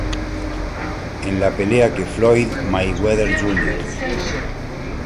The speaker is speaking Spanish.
En la pelea que Floyd Mayweather Jr.